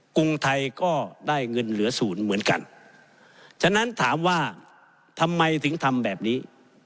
กรุงไทยก็ได้เงินเหลือศูนย์เหมือนกันฉะนั้นถามว่าทำไมถึงทำแบบนี้